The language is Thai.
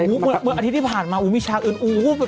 อาทิตย์ที่ผ่านมาอุ้มิชาอืนอูบ